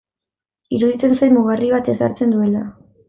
Iruditzen zait mugarri bat ezartzen duela.